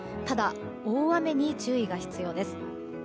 ただ、大雨に注意が必要です。